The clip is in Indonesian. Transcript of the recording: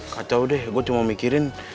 kacau deh gue cuma mikirin